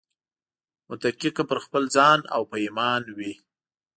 متکي که پر خپل ځان او په ايمان وي